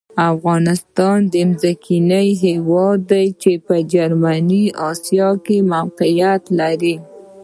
افغانستان یو ځمکني هېواد دی چې په جنوبي آسیا کې موقعیت لري.